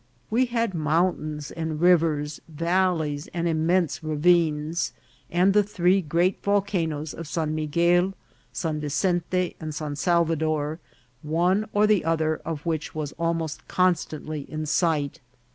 We had mountains and rivers, valleys and immense ra vines, and the three great volcanoes of San Miguel, San Vicente, and San Salvador, one or the other of which was almost constantly in sight.